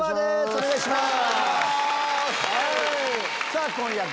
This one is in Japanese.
お願いします